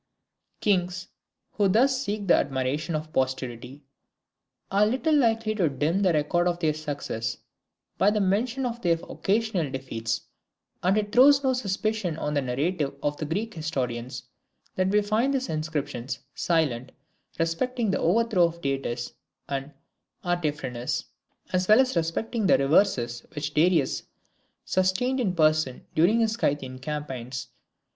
"] Kings who thus seek the admiration of posterity are little likely to dim the record of their successes by the mention of their occasional defeats; and it throws no suspicion on the narrative of the Greek historians, that we find these inscriptions silent respecting the overthrow of Datis and Artaphernes, as well as respecting the reverses which Darius sustained in person during his Scythian campaigns.